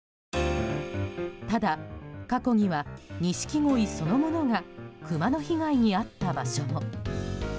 ただ、過去にはニシキゴイそのものがクマの被害に遭った場所も。